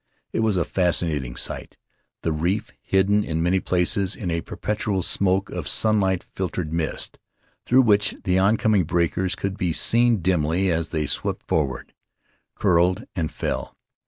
It was a fascinating sight — the reef hidden in many places in a perpetual smoke of sunlight filtered mist, through which the oncoming breakers could be seen dimly as they swept forward, curled, and fell.